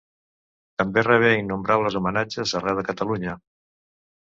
També rebé innombrables homenatges arreu de Catalunya.